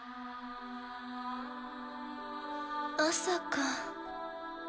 朝か。